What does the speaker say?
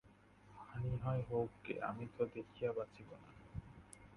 হানি হয় হউক গে, আমি তো না দেখিয়া বাঁচিব না।